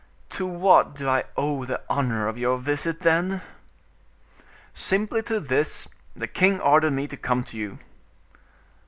"To what do I owe the honor of your visit, then?" "Simply to this: the king ordered me to come to you."